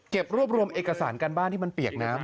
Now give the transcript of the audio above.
รวบรวมเอกสารการบ้านที่มันเปียกน้ำ